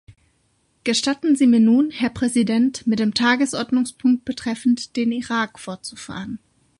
Gestatten Sie mir nun, Herr Präsident, mit dem Tagesordnungspunkt betreffend den Irak fortzufahren.